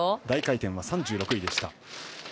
大回転は３６位でした。